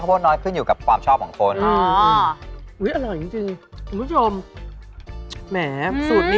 ส่วนฝั่งทีมแม่บ้านท็อปของเราก็ไม่ยอมหน่อยนะ